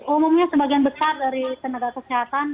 umumnya sebagian besar dari tenaga kesehatan